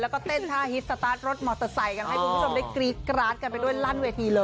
แล้วก็เต้นท่าฮิตสตาร์ทรถมอเตอร์ไซค์กันให้คุณผู้ชมได้กรี๊ดกราดกันไปด้วยลั่นเวทีเลย